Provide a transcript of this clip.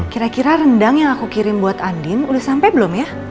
kira kira rendang yang aku kirim buat andin udah sampai belum ya